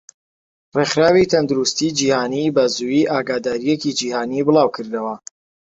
ڕێخراوی تەندروستی جیهانی بەزوویی ئاگاداریەکی جیهانی بڵاوکردەوە.